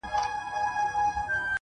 ځوان پر لمانځه ولاړ دی؛